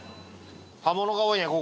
葉物が多いね